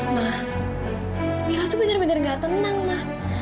ma mila tuh bener bener gak tenang ma